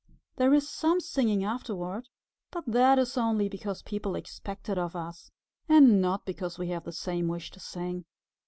There is some singing afterward, but that is only because people expect it of us, and not because we have the same wish to sing."